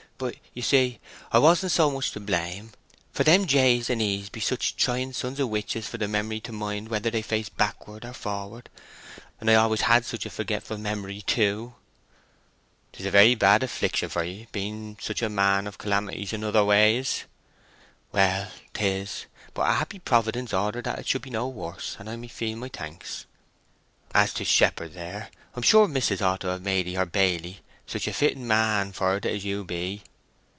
"But, you see, I wasn't so much to blame, for them J's and E's be such trying sons o' witches for the memory to mind whether they face backward or forward; and I always had such a forgetful memory, too." "'Tis a very bad affliction for ye, being such a man of calamities in other ways." "Well, 'tis; but a happy Providence ordered that it should be no worse, and I feel my thanks. As to shepherd, there, I'm sure mis'ess ought to have made ye her baily—such a fitting man for't as you be."